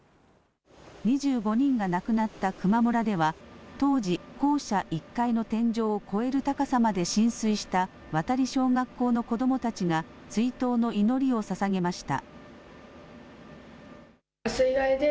２５人が亡くなった球磨村では当時、校舎１階の天井を超える高さまで浸水した渡小学校の子どもたちが追悼の祈りをささげました。